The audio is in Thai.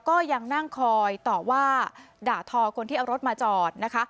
ก็ยังนั่งคอยต่อว่าด่าทอคนที่เอารถมาจอดนะคะ